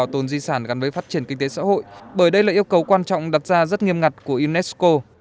đoàn công tác đã đặt ra rất nghiêm ngặt của unesco